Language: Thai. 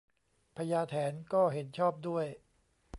พญาแถนก็เห็นชอบด้วย